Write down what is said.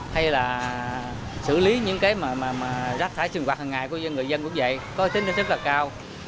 hay là xử lý những rác thải sinh hoạt hằng ngày của người dân cũng vậy có tính rất là cao